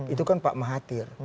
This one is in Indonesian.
itu kan pak mahathir